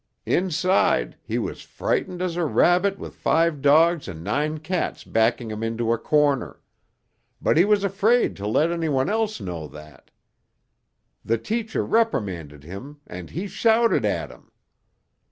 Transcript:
Inside, he was frightened as a rabbit with five dogs and nine cats backing him into a corner, but he was afraid to let anyone else know that. The teacher reprimanded him and he shouted at him.